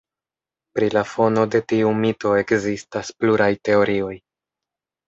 Pri la fono de tiu mito ekzistas pluraj teorioj.